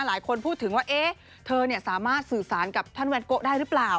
หลายคนพูดถึงว่าเธอสามารถสื่อสารกับท่านแวนโกะได้หรือเปล่า